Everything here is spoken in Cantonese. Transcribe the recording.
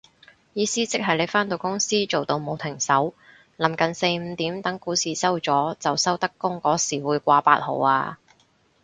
意思即係你返到公司做到冇停手，臨近四五點等股市收咗就收得工嗰時會掛八號啊